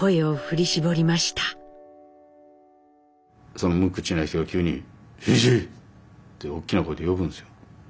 その無口の人が急に「真一！」って大きな声で呼ぶんですよ。